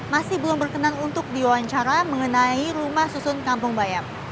masih belum berkenan untuk diwawancara mengenai rumah susun kampung bayam